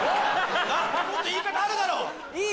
もっと言い方あるだろ！